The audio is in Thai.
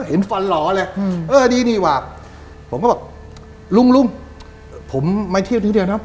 เห็นฟันหล่อแหละเออดีนี่หว่าผมก็บอกลุงผมไม่เที่ยวนี้เดียวนะครับ